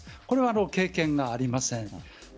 これは経験がありません。